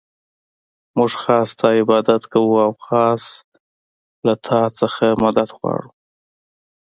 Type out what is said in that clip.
مونږ خاص ستا عبادت كوو او خاص له تا نه مدد غواړو.